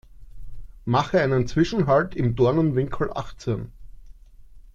Mache einen Zwischenhalt im Dornenwinkel achtzehn.